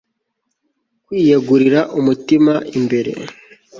kwiyegurira umutima imbere